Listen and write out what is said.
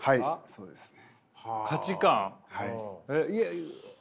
そうですね。